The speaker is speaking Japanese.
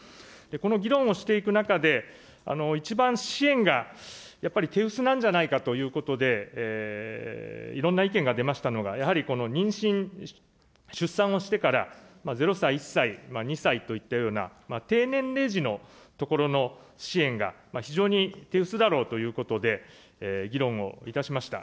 この議論をしていく中で、一番支援がやっぱり手薄なんじゃないかということでいろんな意見が出ましたのが、やはりこの妊娠・出産をしてから、０歳、１歳、２歳といったような低年齢児のところの支援が非常に手薄だろうということで、議論をいたしました。